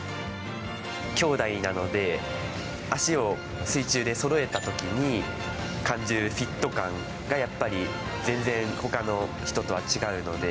姉弟なので脚を水中でそろえた時に感じるフィット感が、やっぱり全然ほかの人とは違うので。